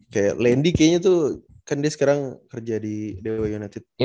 kayak landy kayaknya tuh kan dia sekarang kerja di dewa united